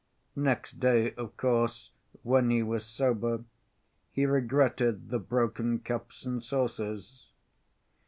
Next day, of course, when he was sober, he regretted the broken cups and saucers.